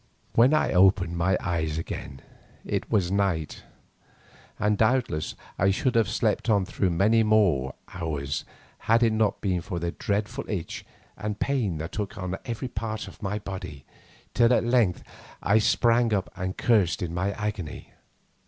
When I opened my eyes again it was night, and doubtless I should have slept on through many hours more had it not been for a dreadful itch and pain that took me in every part, till at length I sprang up and cursed in my agony.